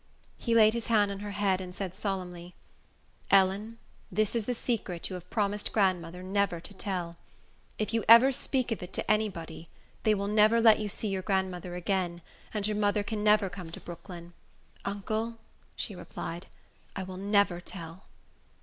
He laid his hand on her head, and said, solemnly, "Ellen, this is the secret you have promised grandmother never to tell. If you ever speak of it to any body, they will never let you see your grandmother again, and your mother can never come to Brooklyn." "Uncle," she replied, "I will never tell."